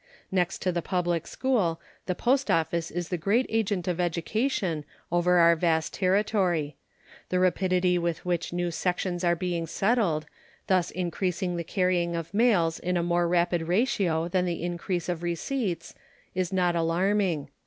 Next to the public school, the post office is the great agent of education over our vast territory. The rapidity with which new sections are being settled, thus increasing the carrying of mails in a more rapid ratio than the increase of receipts, is not alarming.